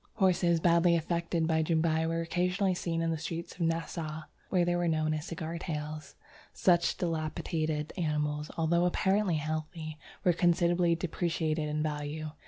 Horses badly affected by Jumbai were occasionally seen in the streets of Nassau, where they were known as 'cigar tails.' Such depilated animals, although apparently healthy, were considerably depreciated in value.